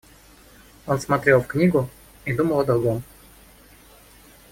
Он смотрел в книгу и думал о другом.